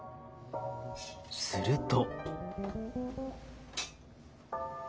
すると。